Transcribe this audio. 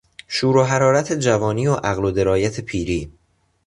شور و حرارت جوانی و عقل و درایت پیری